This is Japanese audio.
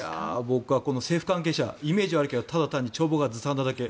僕は政府関係者イメージは悪いけどただ単に帳簿がずさんなだけ。